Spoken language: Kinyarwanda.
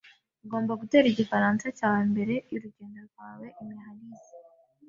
Ugomba gutera igifaransa cyawe mbere yurugendo rwawe i Marseille.